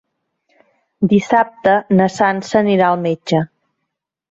Dissabte na Sança anirà al metge.